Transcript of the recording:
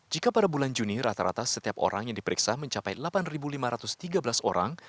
jika pada bulan juni rata rata setiap orang yang diperiksa mencapai delapan lima ratus tiga belas orang